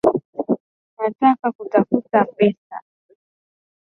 Nataka kutafuta pesa